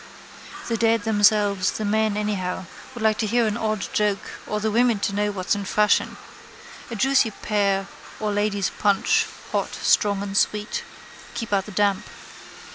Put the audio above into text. The dead themselves the men anyhow would like to hear an odd joke or the women to know what's in fashion. A juicy pear or ladies' punch, hot, strong and sweet. Keep out the damp.